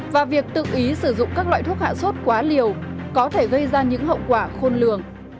và việc tự ý sử dụng các loại thuốc hạ sốt quá liều có thể gây ra những hậu quả khôn lường